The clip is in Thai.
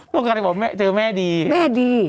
ต้องการให้ผมเจอแม่ดีแม่ดี